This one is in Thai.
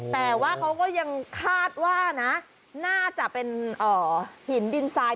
แต่ว่าเขาก็ยังคาดว่านะน่าจะเป็นหินดินทราย